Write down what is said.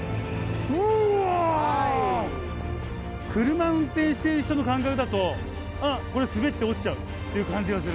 車運転している人の感覚だと「あっこれ滑って落ちちゃう」っていう感じがする。